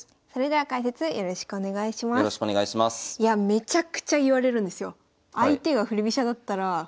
めちゃくちゃ言われるんですよ。